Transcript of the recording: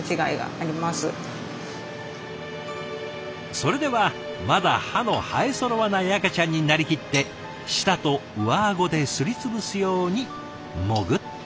それではまだ歯の生えそろわない赤ちゃんになりきって舌と上顎ですり潰すようにもぐっと。